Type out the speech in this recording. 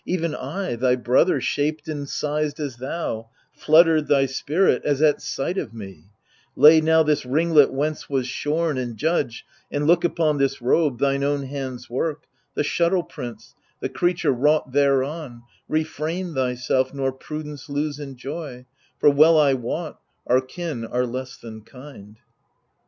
Even I, thy brother, shaped and sized as thou, Fluttered thy spirit, as at sight of me 1 Lay now this ringlet whence 'twas shorn, and judge, And look upon this robe, thine own hands' work, The shuttle prints, the creature wrought thereon — Refrain thyself, nor prudence lose in joy, For well I wot, our kin are less than kind.